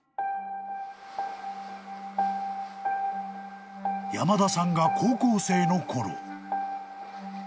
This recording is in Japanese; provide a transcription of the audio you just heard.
［山田さんが高校生の頃］